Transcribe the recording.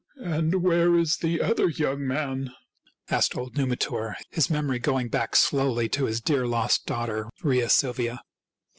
" And where is the other young man ?" asked old Numitor, his memory going back slowly to his dear lost daughter Rhea Silvia.